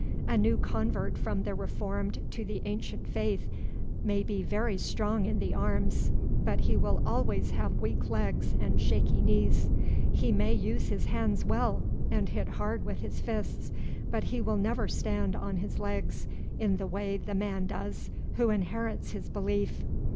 A new convert from the reformed to the ancient faith may be very strong in the arms, but he will always have weak legs and shaky knees. He may use his hands well, and hit hard with his fists, but he will never stand on his legs in the way the man does who inherits his belief.